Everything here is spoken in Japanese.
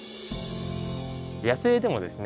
野生でもですね